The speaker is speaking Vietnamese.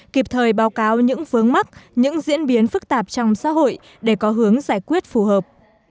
kịp thời báo cáo những vướng mắc những diễn biến phức tạp trong xã hội để có hướng giải quyết phù hợp